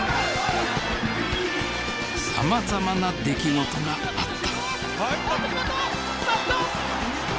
さまざまな出来事があった。